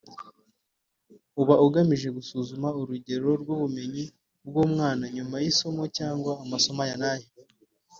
uba ugamije gusuzuma urugero rw’ubumenyi bw’umwana nyuma y’isomo cyangwa amasomo aya n’aya